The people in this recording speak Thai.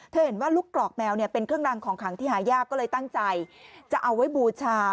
เห็นว่าลูกกรอกแมวเนี่ยเป็นเครื่องรังของขังที่หายากก็เลยตั้งใจจะเอาไว้บูชา